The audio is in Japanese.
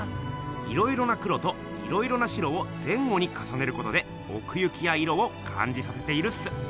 いろいろな黒といろいろな白を前後にかさねることでおく行きや色をかんじさせているっす。